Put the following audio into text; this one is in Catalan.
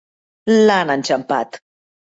L'han enxampat!